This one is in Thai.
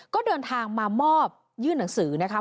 ก็เดินทางมามอบยื่นหนังสือนะคะ